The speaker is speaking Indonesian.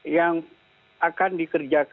yang akan dikerja